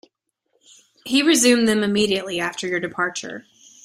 He resumed them immediately after your departure.